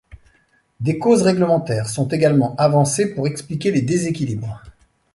Des causes réglementaires sont également avancées pour expliquer les déséquilibres.